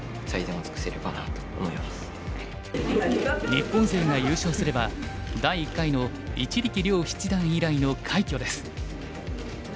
日本勢が優勝すれば第１回の一力遼七段以来の快挙です。